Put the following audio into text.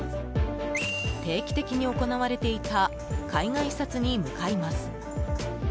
定期的に行われていた海外視察に向かいます。